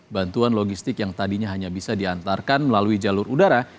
bantuan logistik yang tadinya hanya bisa diantarkan melalui jalur udara